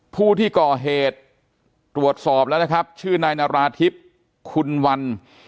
ผู้ที่ก่อเหตุตรวจสอบแล้วนะครับชื่อนายนาราธิบคุณวัน